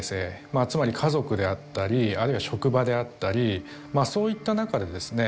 まあつまり家族であったりあるいは職場であったりそういった中でですね